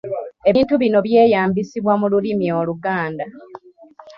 Ebintu bino byeyambisibwa mu lulimi Oluganda.